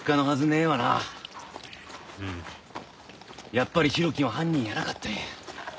やっぱり浩喜は犯人やなかったんや。